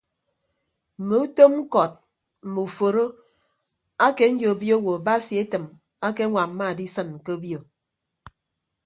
Mme utom ñkọt mme uforo ake nyobio owo basi etịm akeñwamma adisịn ke obio.